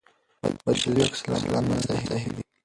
بدل شوي عکس العملونه صحي دي.